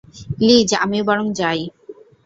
Lease, আমি বরং যাই।